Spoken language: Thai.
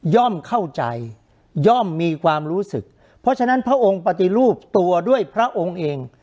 ่อมเข้าใจย่อมมีความรู้สึกเพราะฉะนั้นพระองค์ปฏิรูปตัวด้วยพระองค์เอง